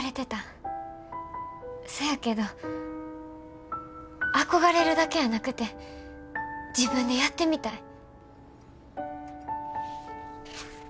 そやけど憧れるだけやなくて自分でやってみたい。